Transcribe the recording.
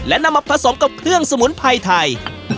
และนำมาผสมกับเครื่องสมุนไพรไทย